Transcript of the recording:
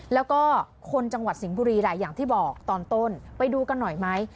แล้วก็คนจังหวัดสิงห์บุรีแหละอย่างที่บอกตอนต้นไปดูกันหน่อยไหม